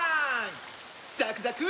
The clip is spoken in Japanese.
ザクザク！